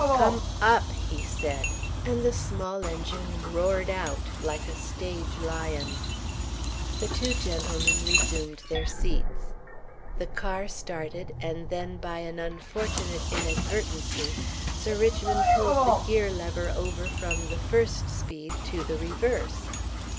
"Come UP!" he said, and the small engine roared out like a stage lion. The two gentlemen resumed their seats. The car started and then by an unfortunate inadvertency Sir Richmond pulled the gear lever over from the first speed to the reverse.